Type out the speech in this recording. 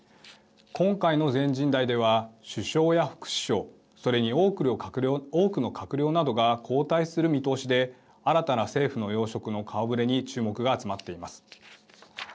今回の全人代では首相や副首相それに多くの閣僚などが交代する見通しで新たな政府の要職の顔ぶれに注目が集まっています。